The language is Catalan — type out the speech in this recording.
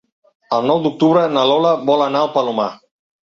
El nou d'octubre na Lola vol anar al Palomar.